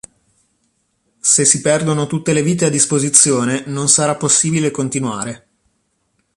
Se si perdono tutte le vite a disposizione non sarà possibile continuare.